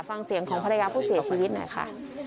ฟังเสียงของภรรยาผู้เสียชีวิตหน่อยค่ะ